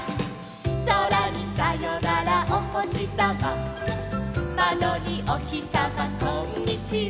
「そらにさよならおほしさま」「まどにおひさまこんにちは」